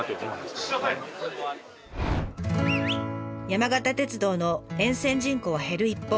山形鉄道の沿線人口は減る一方。